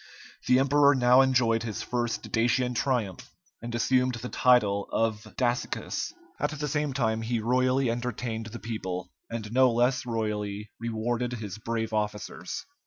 The emperor now enjoyed his first Dacian triumph, and assumed the title of Dacicus. At the same time he royally entertained the people, and no less royally rewarded his brave officers.